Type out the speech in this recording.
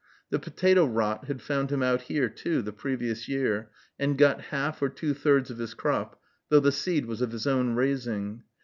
The potato rot had found him out here, too, the previous year, and got half or two thirds of his crop, though the seed was of his own raising.